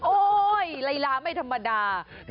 โอ้ยไลล่าไม่ธรรมดา